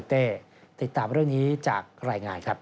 ติดตามเรื่องนี้จากรายงานครับ